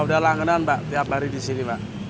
udah langganan mbak tiap hari di sini pak